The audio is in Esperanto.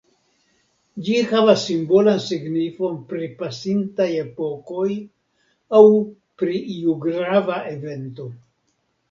Ĝi havas simbolan signifon pri pasintaj epokoj aŭ pri iu grava evento.